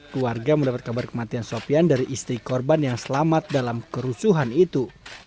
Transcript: keluarga mendapat kabar kematian sofian dari istri korban yang selamat dalam kerusuhan itu